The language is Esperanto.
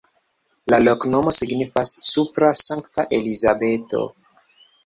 La loknomo signifas: supra-Sankta-Elizabeto.